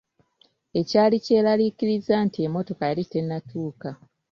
Ekyali kyeraliikiriza nti emmotoka yali tenatuuka.